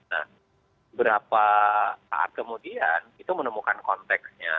nah beberapa saat kemudian itu menemukan konteksnya